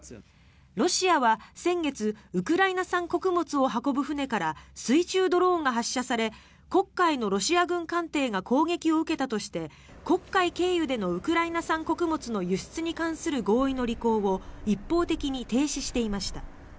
ロシアは先月ウクライナ産穀物を運ぶ船から水中ドローンが発射され黒海のロシア軍艦艇が攻撃を受けたとして黒海経由でのウクライナ産穀物の輸出に関する合意の履行を一方的に停止していました。